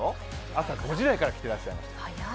朝５時台から来てらっしゃいます。